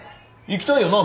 行きたいよな？